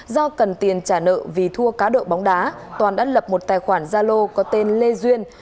do cần tiền trả nợ vì thua cá độ bóng đá toàn đã lập một tài khoản gia lô có tên lê duyên